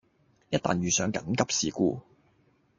一旦遇上緊急事故